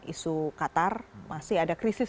isu qatar masih ada krisis